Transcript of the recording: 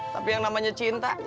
tapi yang namanya cinta